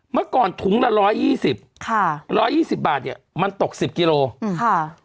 เมื่อก่อนถุงละ๑๒๐บาทเนี่ยมันตก๑๐กิโลกรัม